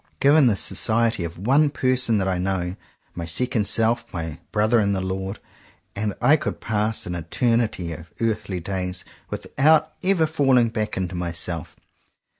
Given the society of one person that I know, my second self, my "brother in the Lord," and I could pass an eternity of earthly days without ever falling back into myself.